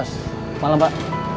selamat malam pak